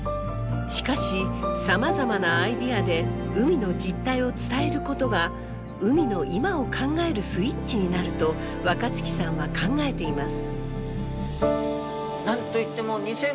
しかしさまざまなアイデアで海の実態を伝えることが海の今を考えるスイッチになると若月さんは考えています。